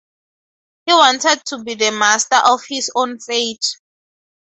He wanted to be the master of his own fate.